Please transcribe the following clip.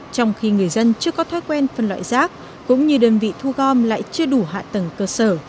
trong khi người dân chưa có thói quen phân loại rác cũng như đơn vị thu gom lại chưa đủ hạ tầng cơ sở